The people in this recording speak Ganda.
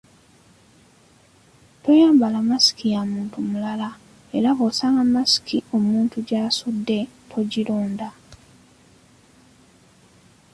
Toyambala masiki ya muntu mulala era bw’osanga masiki omuntu gy’asudde, togironda.